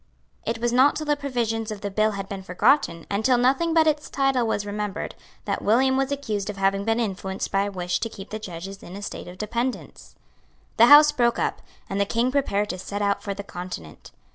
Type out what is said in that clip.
It was not till the provisions of the bill had been forgotten, and till nothing but its title was remembered, that William was accused of having been influenced by a wish to keep the judges in a state of dependence. The Houses broke up; and the King prepared to set out for the Continent.